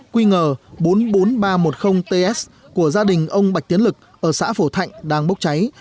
quy ngờ bốn mươi bốn nghìn ba trăm một mươi ts của gia đình ông bạch tiến lực ở xã phổ thạnh đang bốc cháy